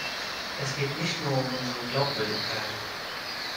Es geht nicht nur um unsere Glaubwürdigkeit.